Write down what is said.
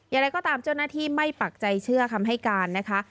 อย่างไรก็ตามเจ้าหน้าที่ไม่ปักใจเชื่อคำให้การนะคะ